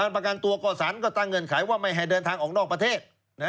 ประกันตัวก็สารก็ตั้งเงื่อนไขว่าไม่ให้เดินทางออกนอกประเทศ